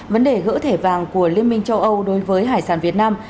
vấn đề gỡ thẻ vàng của liên minh châu âu đối với hải sản việt nam